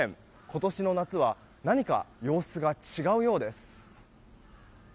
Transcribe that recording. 今年の夏は何か様子が違うようです。